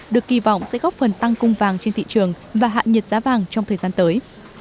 được kỳ vọng sẽ góp phần tăng cung vàng trên thị trường và hạ nhiệt giá vàng trong thời gian tới